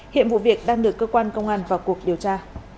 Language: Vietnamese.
hiện vụ việc đang được cơ quan công an vào cuộc điều tra